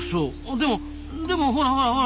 でもでもほらほらほらほら。